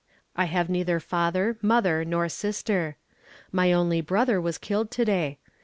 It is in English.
I have neither father, mother nor sister. My only brother was killed to day.